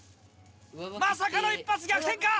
まさかの一発逆転か。